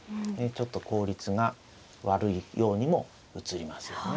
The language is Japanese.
ちょっと効率が悪いようにも映りますよね。